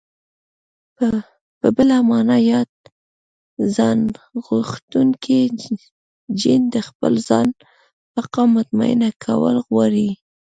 په بله مانا ياد ځانغوښتونکی جېن د خپل ځان بقا مطمينه کول غواړي.